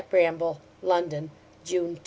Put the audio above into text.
BRAMBLE LONDON, June 2.